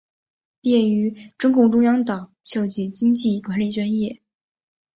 毕业于中共中央党校经济管理专业。